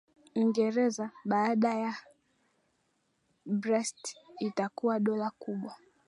Uingereza ya baada ya Brexit itakuwa dola kubwa